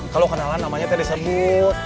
kalau kenalan namanya tidak disebut